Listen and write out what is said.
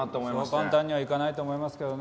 そう簡単にはいかないと思いますけどね。